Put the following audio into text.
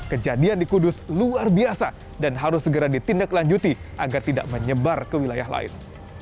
kejadian di kudus luar biasa dan harus segera ditindaklanjuti agar tidak menyebar ke wilayah lain